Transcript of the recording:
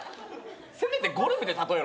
せめてゴルフで例えろよ。